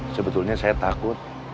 sebetulnya saya takut